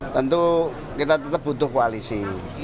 tentu kita tetap butuh koalisi